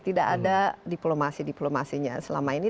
tidak ada diplomasi diplomasinya selama ini